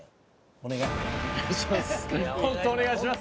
お願いします。